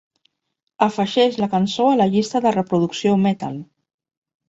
Afegeix la cançó a la llista de reproducció Metal.